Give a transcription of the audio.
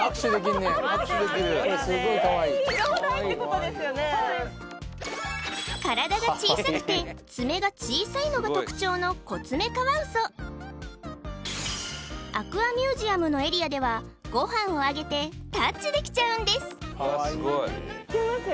そうです体が小さくて爪が小さいのが特徴のコツメカワウソアクアミュージアムのエリアではごはんをあげてタッチできちゃうんですいきますよ